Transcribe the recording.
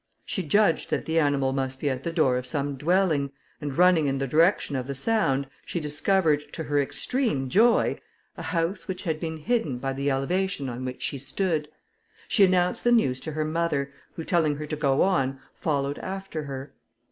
She judged that the animal must be at the door of some dwelling, and running in the direction of the sound, she discovered, to her extreme joy, a house which had been hidden by the elevation on which she stood. She announced the news to her mother, who telling her to go on, followed after her.